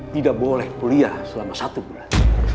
tidak boleh kuliah selama satu bulan